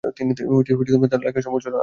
তিনি তার লেখায় সমালোচনা করেছেন।